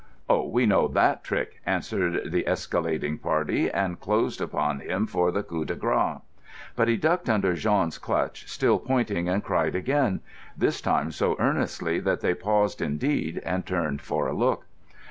"Oh, we know that trick!" answered the escalading party, and closed upon him for the coup de grâce. But he ducked under Jean's clutch, still pointing, and cried again, this time so earnestly that they paused indeed and turned for a look.